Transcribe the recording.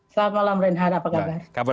selamat malam reinhard apa kabar